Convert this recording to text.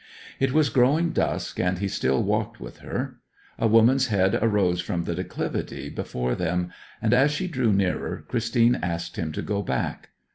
It was growing dusk, and he still walked with her. A woman's head arose from the declivity before them, and as she drew nearer, Christine asked him to go back.